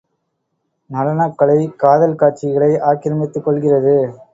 நடனக் கலை காதல் காட்சிகளை ஆக்கிரமித்துக் கொள்கிறது.